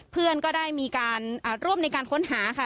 เพื่อนก็ได้มีการร่วมในการค้นหาค่ะ